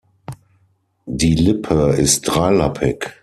Die Lippe ist dreilappig.